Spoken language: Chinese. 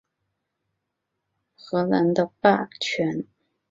阿尔布雷希特在随后的岁月里将会设法确立哈布斯堡在荷兰的霸权。